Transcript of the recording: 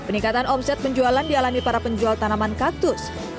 peningkatan omset penjualan di alami para penjual tanaman kaktus